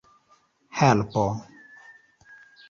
helpo